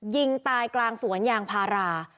ยิงตายกลางสวนยางพารา